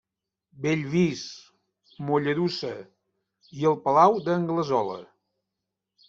Bellvís, Mollerussa, i el Palau d'Anglesola.